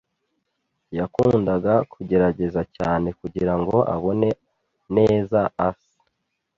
Yakundaga kugerageza cyane kugirango abone neza As.